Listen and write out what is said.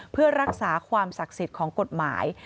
เพื่อรักษาความศักดิ์สิทธิ์ของกฎหมาย